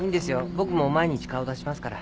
僕も毎日顔出しますから。